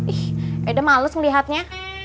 eh eda males melihatnya